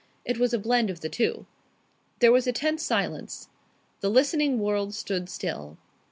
It was a blend of the two. There was a tense silence. The listening world stood still.